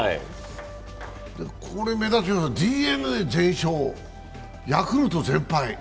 これ目立つよな、ＤｅＮＡ全勝、ヤクルト全敗。